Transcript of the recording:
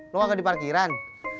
lu gak ke di parkiran